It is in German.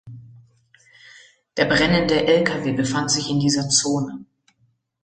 Der brennende Lkw befand sich in dieser Zone.